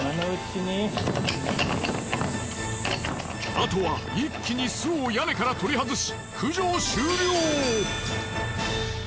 あとは一気に巣を屋根から取り外し駆除終了。